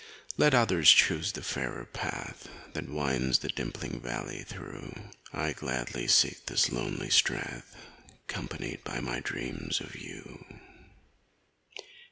Let others choose the fairer path That winds the dimpling valley through, I gladly seek this lonely strath Companioned by my dreams of you.